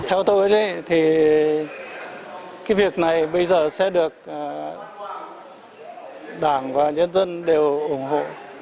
theo tôi thì cái việc này bây giờ sẽ được đảng và nhân dân đều ủng hộ